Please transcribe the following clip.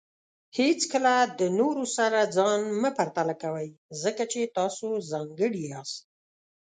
هیڅکله د نورو سره ځان نه پرتله کوئ، ځکه چې تاسو ځانګړي یاست.